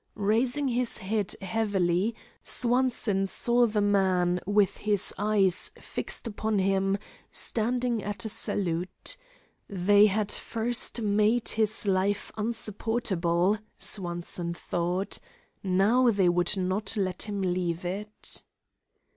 Raising his head heavily, Swanson saw the man, with his eyes fixed upon him, standing at salute. They had first made his life unsupportable, Swanson thought, now they would not let him leave it.